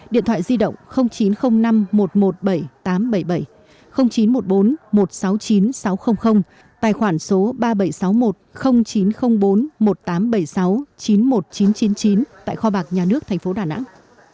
điện thoại di động chín trăm linh năm một trăm một mươi bảy tám trăm bảy mươi bảy chín trăm một mươi bốn một trăm sáu mươi chín sáu trăm linh tài khoản số ba nghìn bảy trăm sáu mươi một chín trăm linh bốn một nghìn tám trăm bảy mươi sáu chín mươi một nghìn chín trăm chín mươi chín tại kho bạc nhà nước tp đà nẵng